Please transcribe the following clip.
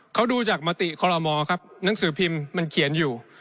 เขาดูจากมติคอลโลมอครับหนังสือพิมพ์มันเขียนอยู่